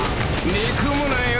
憎むなよ。